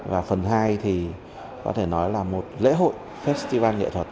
và phần hai thì có thể nói là một lễ hội festival nghệ thuật